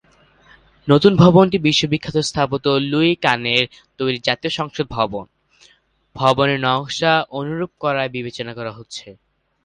নতুন ভবনটি বিশ্বখ্যাত স্থপতি লুই কানের তৈরি জাতীয় সংসদ ভবন ভবনের নকশার অনুরূপ করার বিবেচনা করা হচ্ছে।